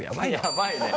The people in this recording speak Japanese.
やばいね。